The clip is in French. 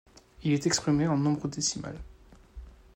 Il est exprimé en nombre décimal.